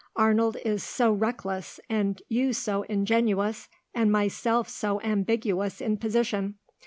Arnold is so reckless, and you so ingenuous, and myself so ambiguous in position.